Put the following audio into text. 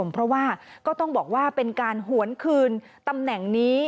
เพราะว่าก็ต้องบอกว่าเป็นการหวนคืนตำแหน่งนี้